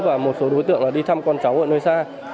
và một số đối tượng đi thăm con cháu ở nơi xa